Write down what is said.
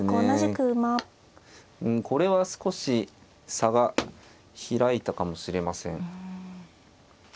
うんこれは少し差が開いたかもしれません。